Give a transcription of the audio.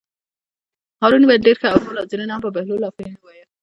هارون وویل: ډېر ښه او ټولو حاضرینو هم په بهلول آفرین ووایه.